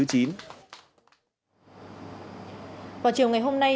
vào chiều ngày hôm nay